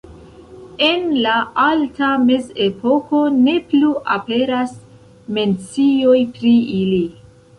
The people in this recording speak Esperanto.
En la Alta Mezepoko ne plu aperas mencioj pri ili.